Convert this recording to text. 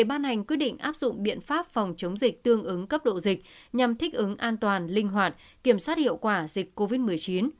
ban hành quyết định áp dụng biện pháp phòng chống dịch tương ứng cấp độ dịch nhằm thích ứng an toàn linh hoạt kiểm soát hiệu quả dịch covid một mươi chín